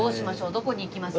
どこに行きますか？